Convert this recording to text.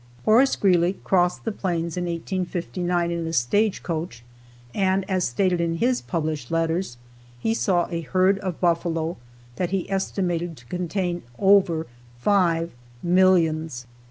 Horace Greeley crossed the plains in 1859 in a stage coach, and as stated in his published letters, he saw a herd of buffalo that he estimated to contain over five millions.